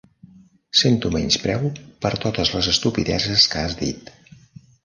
Sento menyspreu per totes les estupideses que has dit.